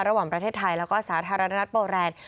ระหว่างประเทศไทยแล้วก็สาธารณรัฐโปแรนด์